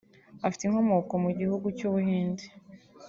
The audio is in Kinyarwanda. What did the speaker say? afite inkomoko mu gihugu cy’u Buhinde